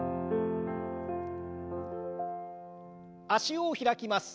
脚を開きます。